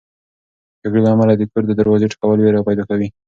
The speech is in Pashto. د جګړې له امله د کور د دروازې ټکول وېره پیدا کوي.